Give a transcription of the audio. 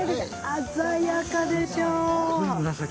鮮やかでしょ。